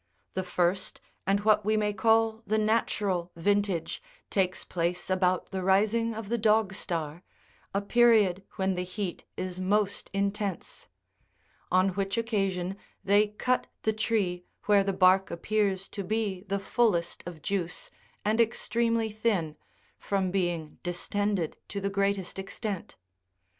The first, and what we may call the natural, vintage, takes place about the rising of the Dog star, a period when the heat is most intense ; on which occasion they cut the tree where the bark appears to be the fullest of juice, and extremely thin, from being dis tended to the greatest extent.